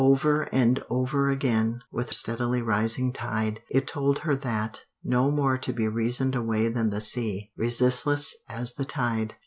Over and over again, with steadily rising tide, it told her that, no more to be reasoned away than the sea, resistless as the tide.